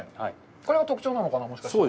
これが特徴なのかな、もしかしたら。